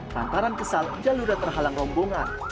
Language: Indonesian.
lantaran kesal jalurnya terhalang rombongan